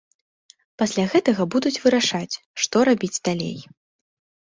Пасля гэтага будуць вырашаць, што рабіць далей.